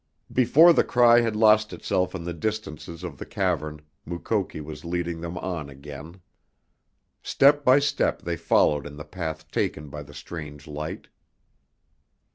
Before the cry had lost itself in the distances of the cavern Mukoki was leading them on again. Step by step they followed in the path taken by the strange light.